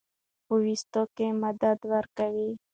پۀ ويستو کښې مدد ورکوي